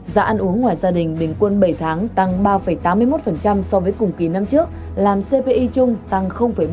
giá ăn uống ngoài gia đình bình quân bảy tháng tăng ba tám mươi một so với cùng kỳ năm trước làm cpi chung tăng ba mươi ba